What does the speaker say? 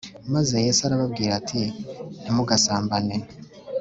Maze Yesu arababwira ati ntimugasambane